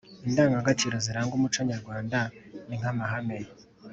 indangagaciro ziranga umuco nyarwanda ni nk'amahame